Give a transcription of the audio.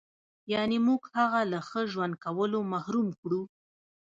یعنې موږ هغه له ښه ژوند کولو محروم کړو.